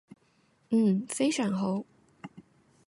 嗯，非常好